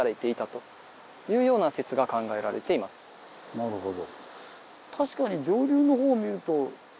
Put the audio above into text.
なるほど。